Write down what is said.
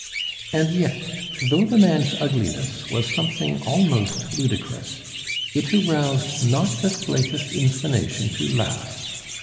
And yet, though the man's ugliness was something almost ludicrous, it aroused not the slightest inclination to laugh.